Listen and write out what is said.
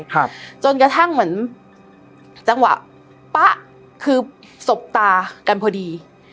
ครับจนกระทั่งเหมือนจังหวะป๊ะคือสบตากันพอดี